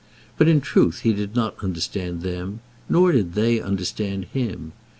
But in truth he did not understand them; nor did they understand him.